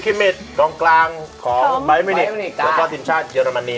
ครีมมิชตอนกลางของไบต์เมนิกและติมชาติเยอรมนี